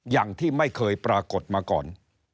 อย่างที่ไม่เคยปรากฏมาก่อน